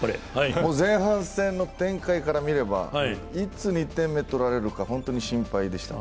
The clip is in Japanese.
前半戦の展開から見ればいつ２点目取られるか本当に心配でした。